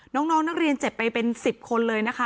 น้องนักเรียนเจ็บไปเป็น๑๐คนเลยนะคะ